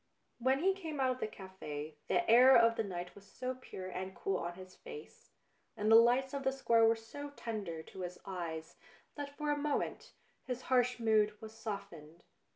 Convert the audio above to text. ... When he came out of the cafe, the air of BLUE BLOOD 241 the night was so pure and cool on his face, and the lights of the square were so tender to his eyes, that for a moment his harsh mood was softened.